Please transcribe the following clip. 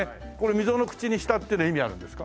溝の口にしたっていうのは意味あるんですか？